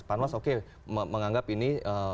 panwas oke menganggap ini